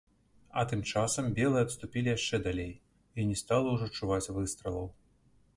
А тым часам белыя адступілі яшчэ далей, і не стала ўжо чуваць выстралаў.